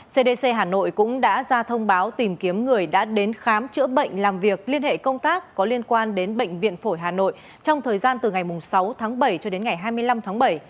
cdc hà nội cũng đã ra thông báo tìm kiếm người đã đến khám chữa bệnh làm việc liên hệ công tác có liên quan đến bệnh viện phổi hà nội trong thời gian từ ngày sáu tháng bảy cho đến ngày hai mươi năm tháng bảy